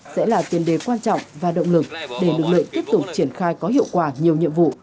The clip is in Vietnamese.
sẽ là tiền đề quan trọng và động lực để lực lượng tiếp tục triển khai có hiệu quả nhiều nhiệm vụ